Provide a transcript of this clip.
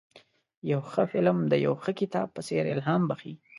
یو ښه فلم د یو ښه کتاب په څېر الهام بخښي.